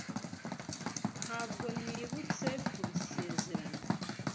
Ntabwo nibutse kubisezeranya